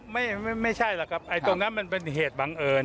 ไม่ใช่หรอกครับไอ้ตรงนั้นมันเป็นเหตุบังเอิญ